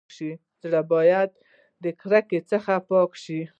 زړه بايد د کرکي څخه پاک وي.